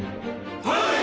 はい！